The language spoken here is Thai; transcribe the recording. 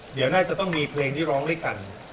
หลังนั้นจะต้องมีเพลงที่ร้องด้วยกัน